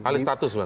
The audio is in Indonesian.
alih status pak